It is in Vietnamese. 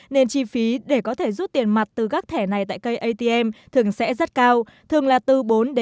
nên chi phí để có thể rút tiền mặt từ các thẻ này tại cây atm thường sẽ rất cao thường là từ bốn năm